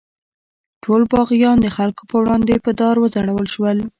ټول باغیان د خلکو په وړاندې په دار وځړول شول.